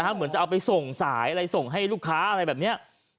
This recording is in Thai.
เหมือนจะเอาไปส่งสายอะไรส่งให้ลูกค้าอะไรแบบนี้